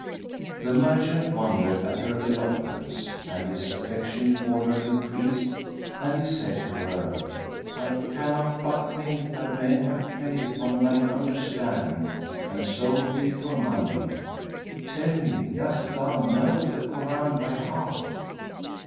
The merchant wondered at her eloquence, and his affection for her increased and he said to her I cannot but think that men have played upon thine understanding and sold thee for money. Tell me, dost thou know the Koran by heart?"